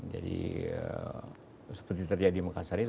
jadi seperti terjadi di makassar itu